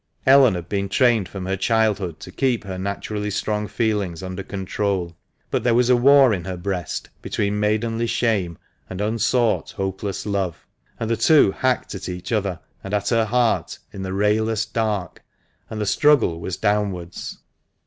Ellen had been trained from her childhood to keep her naturally strong feelings under control, but there was a war in her breast between maidenly shame and unsought, hopeless love, and the two hacked at each other and at her heart in the rayless dark, and the struggle was downwards.